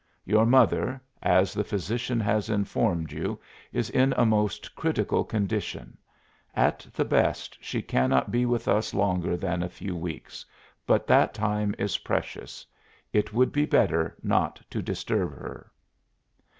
Your mother, as the physician has informed you, is in a most critical condition; at the best she cannot be with us longer than a few weeks, but that time is precious. It would be better not to disturb her."